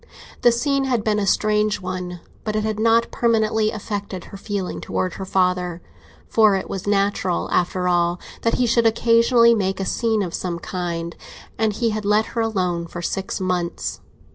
The scene had been a strange one, but it had not permanently affected her feeling towards her father, for it was natural, after all, that he should occasionally make a scene of some kind, and he had let her alone for six months.